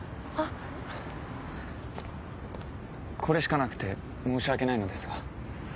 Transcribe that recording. これしかなくて申し訳ないのですが。